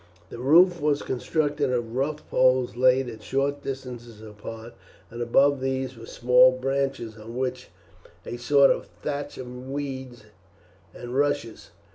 The roof was constructed of rough poles laid at short distances apart, and above these were small branches, on which was a sort of thatch of reeds and rushes.